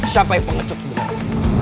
siapa yang pengecut sebenernya